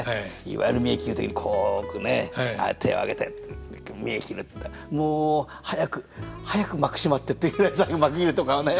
いわゆる見得切る時にこう置くね手を上げて見得切るっていったらもう早く早く幕閉まってっていうぐらい最後幕切れとかはね。